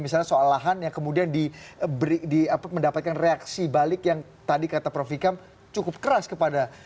misalnya soal lahan yang kemudian mendapatkan reaksi balik yang tadi kata prof vikam cukup keras kepada